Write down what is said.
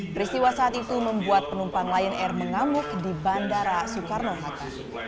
peristiwa saat itu membuat penumpang lion air mengamuk di bandara soekarno hatta